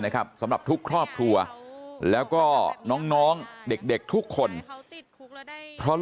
สำหรับทุกครอบครัวแล้วก็น้องเด็กทุกคนเพราะลูก